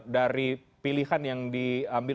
dari pilihan yang diambil